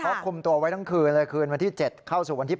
เพราะคุมตัวไว้ทั้งคืนเลยคืนวันที่๗เข้าสู่วันที่๑